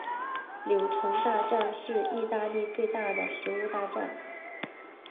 柳橙大战是义大利最大的食物大战。